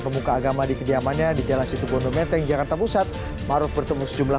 pemuka agama di kediamannya di jalansi tugonometeng jakarta pusat maruf bertemu sejumlah